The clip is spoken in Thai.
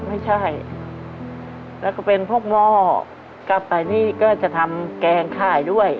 ไม่ใช่แล้วก็เป็นพวกหม้อกลับไปนี่ก็จะทำแกงขายด้วย